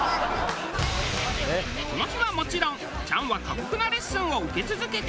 この日はもちろんチャンは過酷なレッスンを受け続けて。